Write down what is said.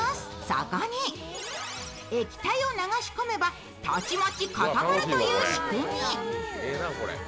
そこに、液体を流し込めばたちまち固まるという仕組み。